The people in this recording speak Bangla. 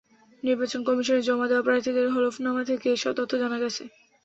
নির্বাচন কমিশনে জমা দেওয়া প্রার্থীদের হলফনামা থেকে এসব তথ্য জানা গেছে।